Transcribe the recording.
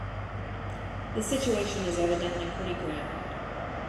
The situation is evidently pretty grim.